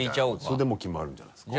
それでもう決まるんじゃないですか？